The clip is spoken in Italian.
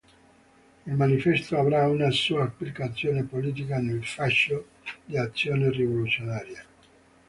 Il manifesto avrà una sua applicazione politica nel Fascio d'azione rivoluzionaria.